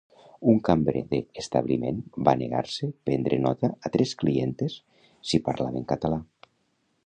Un cambrer de establiment va negar-se prendre nota a tres clientes si parlaven català